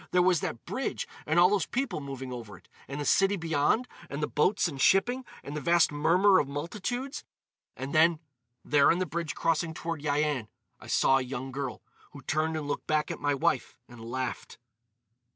There was that bridge, and all those people moving over it; and the city beyond, and the boats and shipping, and the vast murmur of multitudes.... And then, there on the bridge crossing toward Yian, I saw a young girl, who turned and looked back at my wife and laughed."